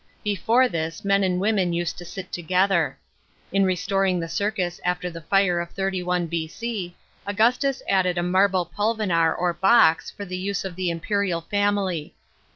Before this, men and women used to sit together. In restoring the circus after the fire of 31 B.C., Augustus added a marble pulvinar or box for the use of the imperial family.